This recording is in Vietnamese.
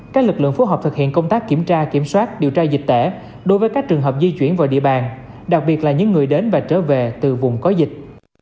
các lực lượng phối hợp thực hiện công tác kiểm tra kiểm soát điều tra dịch tễ đối với các trường hợp di chuyển vào địa bàn đặc biệt là những người đến và trở về từ vùng có dịch